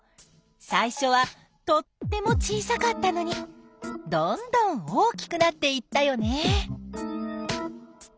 最初はとっても小さかったのにどんどん大きくなっていったよね！